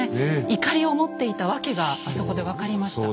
いかりを持っていた訳があそこで分かりました。